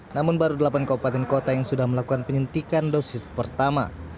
namun baru delapan kabupaten kota yang sudah melakukan penyuntikan dosis pertama